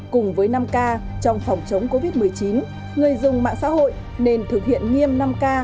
cùng với năm k trong phòng chống covid một mươi chín người dùng mạng xã hội nên thực hiện nghiêm năm k